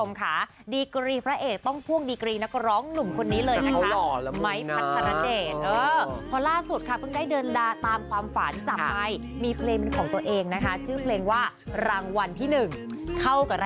มันเลิศมากนี่ก็เขาจะมาโปรโมทรายการเราเพราะว่ามันตรงคอนเซ็ปต์นี่แหละ